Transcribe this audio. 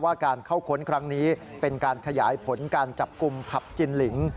การเข้าค้นครั้งนี้เป็นการขยายผลการจับกลุ่มผับจินลิง